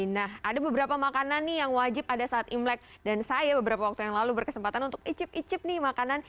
nah ada beberapa makanan nih yang wajib ada saat imlek dan saya beberapa waktu yang lalu berkesempatan untuk icip icip nih makanan